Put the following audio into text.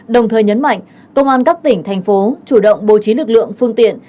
đồng thời nhấn mạnh công an các tỉnh thành phố chủ động bố trí lực lượng phương tiện